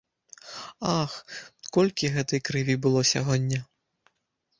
Ах, колькі гэтай крыві было сягоння!